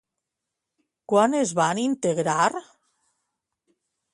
Quan es van integrar?